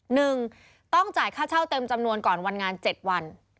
หนึ่งต้องจ่ายค่าเช่าเต็มจำนวนก่อนวันงานเจ็ดวัน